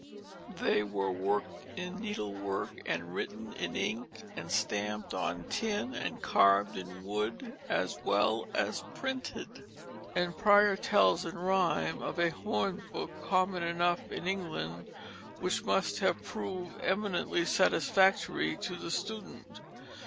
They were worked in needlework, and written in ink, and stamped on tin and carved in wood, as well as printed, and Prior tells in rhyme of a hornbook, common enough in England, which must have proved eminently satisfactory to the student.